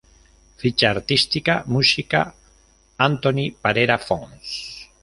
Ficha artística: Música: Antoni Parera Fons.